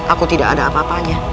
aku tidak ada apa apanya